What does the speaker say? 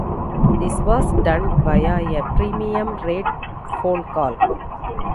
This was done via a premium rate phone call.